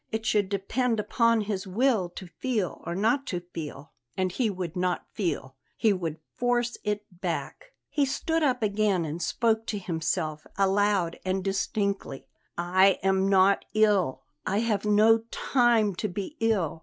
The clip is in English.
It should depend upon his will to feel or not to feel; and he would not feel, he would force it back. He stood up again and spoke to himself, aloud and distinctly: "I am not ill; I have no time to be ill.